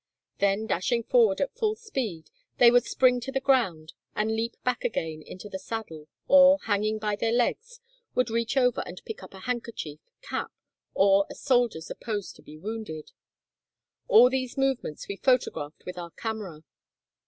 Then dashing forward at full speed, they would spring to the ground, and leap back again into the saddle, or, hanging by their legs, would reach over and pick up a handkerchief, cap, or a soldier supposed to be wounded. All these movements we photographed with our camera.